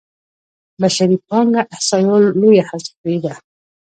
بشري پانګه احصایو لویه حذفي ده.